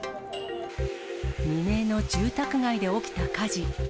未明の住宅街で起きた火事。